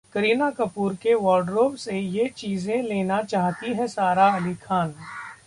करीना कपूर के वॉर्डरोब से ये चीजें लेना चाहती हैं सारा अली खान